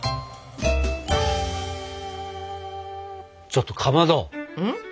ちょっとかまど。